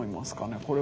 これは。